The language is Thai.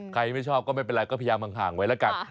ไม่ชอบก็ไม่เป็นไรก็พยายามห่างไว้แล้วกัน